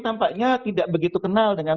tampaknya tidak begitu kenal dengan